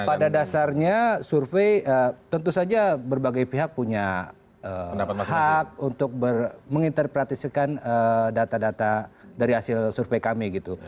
pada dasarnya survei tentu saja berbagai pihak punya hak untuk menginterpretisikan data data dari hasil survei kami gitu